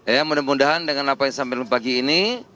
ya mudah mudahan dengan apa yang disampaikan pagi ini